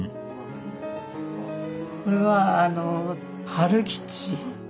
これはあの春吉。